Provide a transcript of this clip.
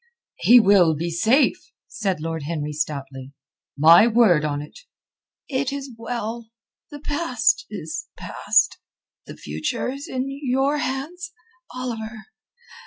"He will be safe," said Lord Henry stoutly. "My word on't." "It is well. The past is past. The future is in your hands, Oliver.